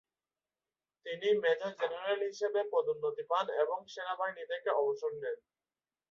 তিনি major general হিসেবে পদোন্নতি পান এবং সেনাবাহিনী থেকে অবসর নেন।